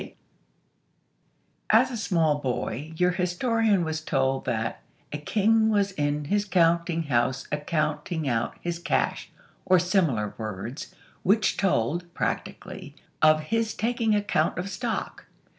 XXXVIII As a small boy, your historian was told that "A king was in his counting room, a counting out his cash," or similar words, which told, practically, of his taking account of stock.